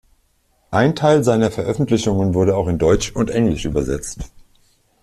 Ein Teil seiner Veröffentlichungen wurde auch in Deutsch und Englisch übersetzt.